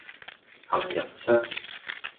杏仁霜